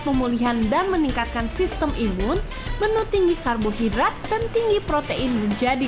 pemulihan dan meningkatkan sistem imun menu tinggi karbohidrat dan tinggi protein menjadi